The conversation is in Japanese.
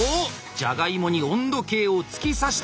じゃがいもに温度計を突き刺した！